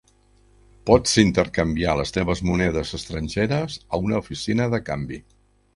Pots intercanviar les teves monedes estrangeres a una oficina de canvi.